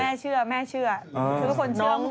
แม่เชื่อทุกคนเชื่อหมด